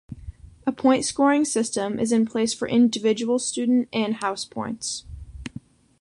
A point scoring system is in place for individual student and House points.